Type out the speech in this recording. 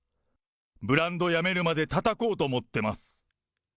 ブランドやめるまでたたこうと思ってます。